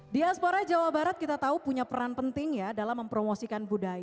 diaspora jawa barat kita tahu punya peran penting ya dalam mempromosikan budaya